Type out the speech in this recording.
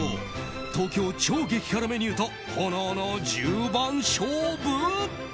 東京超激辛メニューと炎の十番勝負。